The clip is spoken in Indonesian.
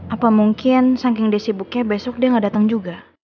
apa mungkin saking dia sibuknya besok dia nggak datang juga